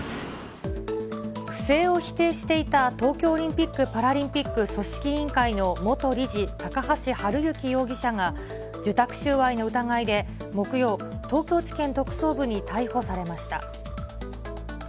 不正を否定していた東京オリンピック・パラリンピック組織委員会の元理事、高橋治之容疑者が、受託収賄の疑いで、木曜、東京地検特捜部に逮捕されました。